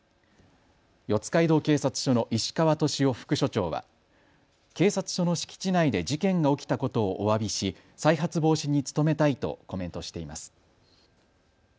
四街道警察署の石川利雄副署長は警察署の敷地内で事件が起きたことをおわびし、再発防止に努めたいとコメントしています。